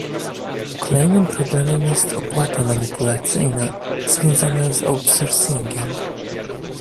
Kolejnym problemem jest opłata manipulacyjna związana z outsourcingiem